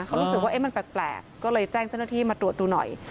เขารู้สึกว่ามันแปลกก็เลยแจ้งเจ้าหน้าที่มาตรวจดูหน่อย